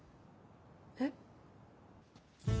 えっ？